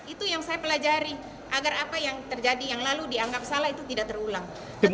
itu yang saya pelajari agar apa yang terjadi yang lalu dianggap salah itu tidak terulang